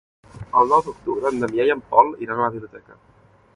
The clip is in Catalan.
El nou d'octubre en Damià i en Pol iran a la biblioteca.